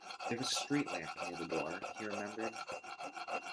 There was a street lamp near to the door, he remembered.